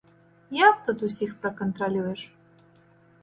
Як тут усіх пракантралюеш?